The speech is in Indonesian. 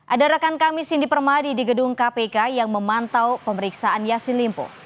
ada rekan kami cindy permadi di gedung kpk yang memantau pemeriksaan yassin limpo